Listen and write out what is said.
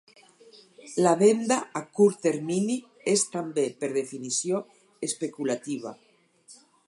La venda a curt termini és també, per definició, especulativa.